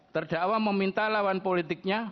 terdakwa meminta lawan politiknya